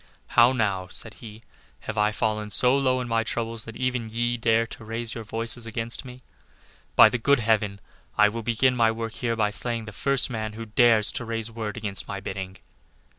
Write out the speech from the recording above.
"How now," said he, "have I fallen so low in my troubles that even ye dare to raise your voices against me? By the good Heaven, I will begin my work here by slaying the first man who dares to raise word against my bidding."